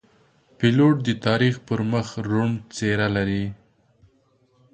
پیلوټ د تاریخ پر مخ روڼ څېره لري.